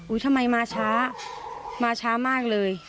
ทำไมมาช้ามาช้ามากเลย